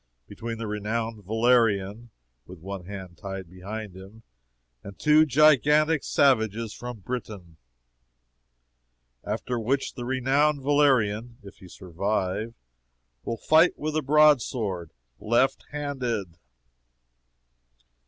between the renowned Valerian (with one hand tied behind him,) and two gigantic savages from Britain. After which the renowned Valerian (if he survive,) will fight with the broad sword, LEFT HANDED!